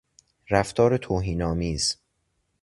رفتار توهین آمیز